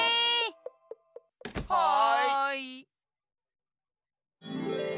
はい。